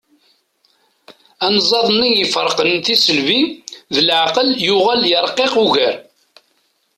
Anzaḍ-nni iferqen tisselbi d leεqel yuɣal yerqiq ugar.